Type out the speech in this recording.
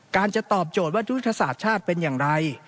จะตอบโจทย์ว่ายุทธศาสตร์ชาติเป็นอย่างไร